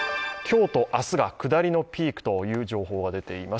今日と明日が下りのピークという情報が出ています。